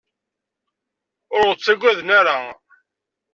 Ur ɣ-ttagaden ara.